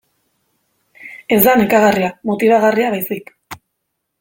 Ez da nekagarria, motibagarria baizik.